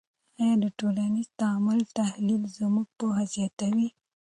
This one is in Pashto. آیا د ټولنیز تعامل تحلیل زموږ پوهه زیاتوي؟